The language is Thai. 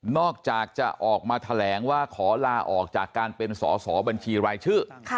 อกจากจะออกมาแถลงว่าขอลาออกจากการเป็นสอสอบัญชีรายชื่อ